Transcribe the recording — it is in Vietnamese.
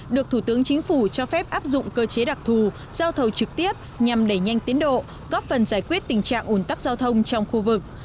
được thủ tướng chính phủ cho phép áp dụng cơ chế đặc thù giao thầu trực tiếp nhằm đẩy nhanh tiến độ góp phần giải quyết tình trạng ủn tắc giao thông trong khu vực